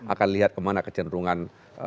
akan lihat kemana kejendrungan